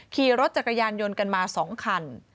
ขี่รถจักรยานยนต์กันมา๒คัน